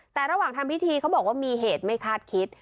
แต่ระหว่างทำพิธีเขาบอกว่ามีเหตุไม่คาดคิด